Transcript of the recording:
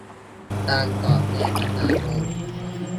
การสอดแนมประชาชน